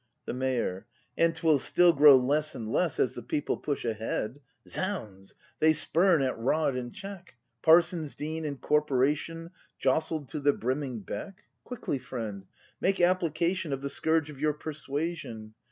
The Mayor. And 'twill still grow less and less As the people push ahead. Zounds! They spurn at rod and check! Parsons, Dean, and Corporation Jostled to the brimming beck —! Quickly, friend, make application Of the scourge of your persuasion!